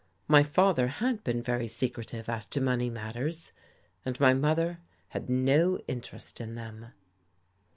My father had been very secretive as to money matters, and my mother had no interest in them.